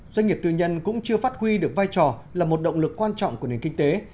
doanh nghiệp tư nhân cũng chưa phát huy được vai trò là một động lực quan trọng của nền kinh tế